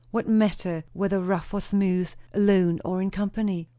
What matter whether rough or smooth, alone or in company?